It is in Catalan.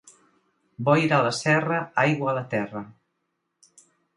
Boira a la serra, aigua a la terra.